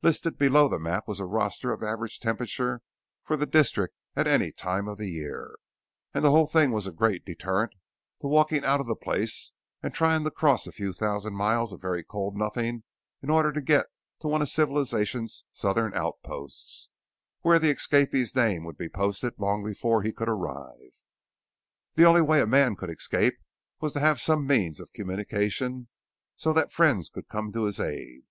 Listed below the maps was a roster of average temperatures for the district at any time of the year, and the whole thing was a great deterrent to walking out of the place and trying to cross a few thousand miles of very cold nothing in order to get to one of Civilization's Southern outposts where the escapee's name would be posted long before he could arrive. The only way a man could escape was to have some means of communication so that friends could come to his aid.